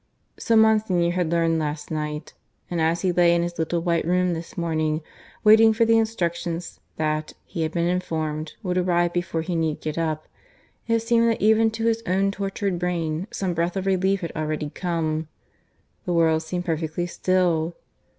So Monsignor had learned last night; and as he lay in his little white room this morning, waiting for the instructions that, he had been informed, would arrive before he need get up, it seemed that even to his own tortured brain some breath of relief had already come. The world seemed perfectly still.